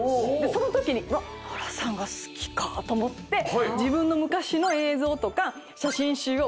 そのときにノラさんが好きかと思って自分の昔の映像とか写真集を。